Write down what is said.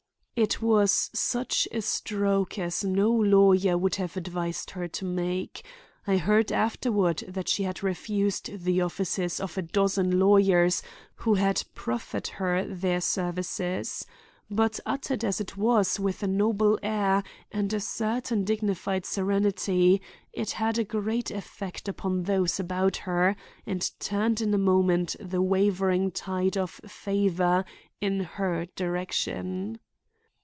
It was such a stroke as no lawyer would have advised her to make,—I heard afterward that she had refused the offices of a dozen lawyers who had proffered her their services. But uttered as it was with a noble air and a certain dignified serenity, it had a great effect upon those about her and turned in a moment the wavering tide of favor in her direction.